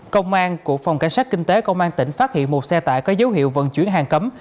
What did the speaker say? công an của phòng cảnh sát kinh tế công an tỉnh phát hiện một xe tải có dấu hiệu vận chuyển hàng cấm